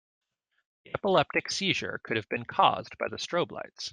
The epileptic seizure could have been cause by the strobe lights.